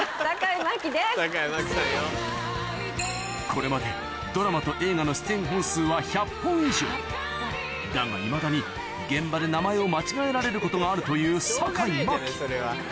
これまでドラマと映画のだがいまだに現場で名前を間違えられることがあるという坂井真紀